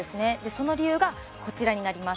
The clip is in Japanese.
その理由がこちらになります